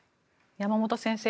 山本先生